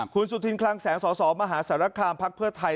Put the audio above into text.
คุณสุธินคลังแสงสสมหาสารคามพักเพื่อไทย